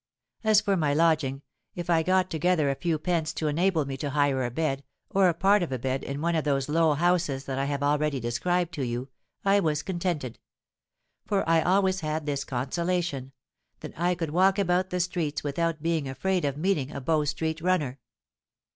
As for my lodging, if I got together a few pence to enable me to hire a bed, or a part of a bed, in one of those low houses that I have already described to you, I was contented,—for I always had this consolation, that I could walk about the streets without being afraid of meeting a Bow Street runner."